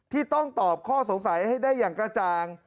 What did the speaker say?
ที่ต้องตอบข้อสงสัยให้ได้อย่างกระจ่าง